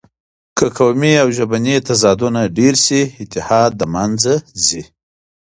که قومي او ژبني تضادونه ډېر شي، اتحاد له منځه ځي.